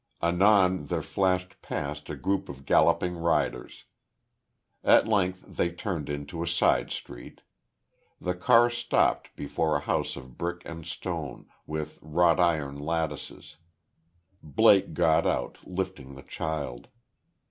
Anon there flashed past a group of galloping riders. At length they turned into a side street. The car stopped before a house of brick and stone, with wrought iron lattices. Blake got out, lifting the child.